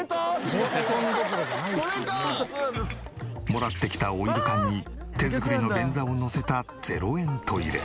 もらってきたオイル缶に手作りの便座をのせた０円トイレ。